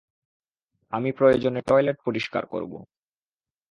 আমি প্রয়োজনে টয়লেট পরিষ্কার করবো।